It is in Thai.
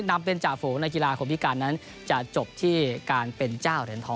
นำเป็นจ่าฝูงในกีฬาคนพิการนั้นจะจบที่การเป็นเจ้าเหรียญทอง